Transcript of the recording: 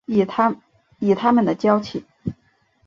以他们的交情